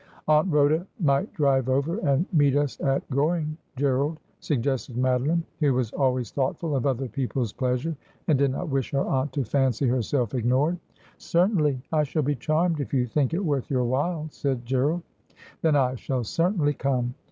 ' Aunt Rhoda might drive over and meet us at Goring, Gerald,' suggested Madoline, who was always thoughtful of other people's pleasure and did not wish her aunt to fancy her self ignored. ' Certainly. I shall be charmed, if you think it worth your while,' said Gerald. ' Then I shall certainly come.